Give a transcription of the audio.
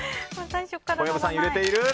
小籔さん、揺れている。